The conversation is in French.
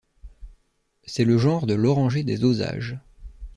C'est le genre de l'oranger des Osages.